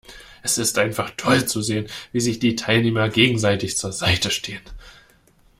Es ist einfach toll zu sehen, wie sich die Teilnehmer gegenseitig zur Seite stehen.